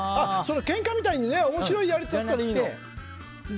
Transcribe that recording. けんかみたいに面白いやり取りならいいの。